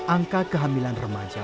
angka kehamilan remaja